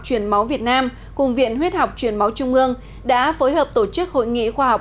truyền máu việt nam cùng viện huyết học truyền máu trung ương đã phối hợp tổ chức hội nghị khoa học